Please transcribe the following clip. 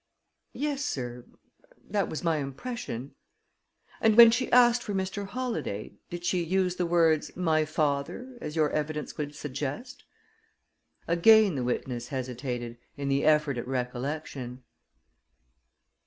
"Yes, sir; that was my impression." "And when she asked for Mr. Holladay, did she use the words 'my father,' as your evidence would suggest?" Again the witness hesitated in the effort at recollection.